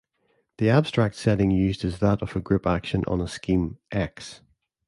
The abstract setting used is that of a group action on a scheme "X".